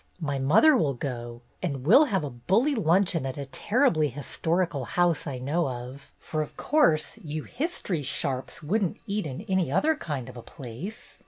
My mother will go, and we'll have a bully luncheon at a terribly his torical house I know of, for of course you his tory sharps would n't eat in any other kind of a place."